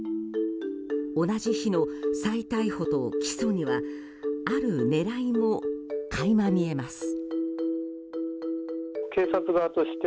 同じ日の再逮捕と起訴にはある狙いも垣間見えます。